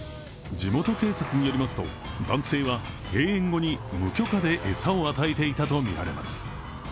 地元警察によりますと、男性は閉園後に無許可で餌を与えていたとみられます。